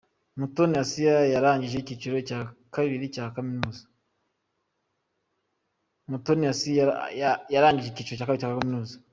Mutoni Assiah yarangije icyiciro cya kabiri cya Kaminuza .